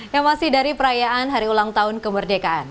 yang masih dari perayaan hari ulang tahun kemerdekaan